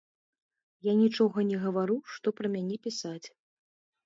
Я нічога не гавару, што пра мяне пісаць.